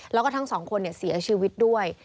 แล้วก็ทั้งสองคนเสียชีวิตด้วย